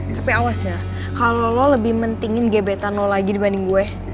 tapi awas ya kalo lo lebih mentingin gbetano lagi dibanding gue